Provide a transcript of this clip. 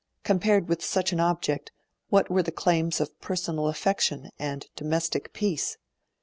Compared with such an object, what were the claims of personal affection and domestic peace?